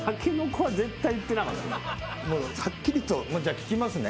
はっきりとじゃあ聴きますね。